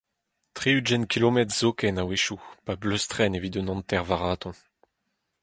tri-ugent km zoken a-wechoù, pa bleustren evit un hanter-varaton.